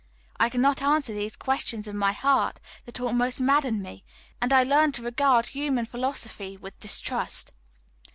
I could not answer these questions of my heart that almost maddened me, and I learned to regard human philosophy with distrust.